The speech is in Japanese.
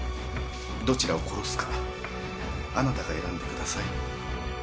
どちらを殺すかあなたが選んでください。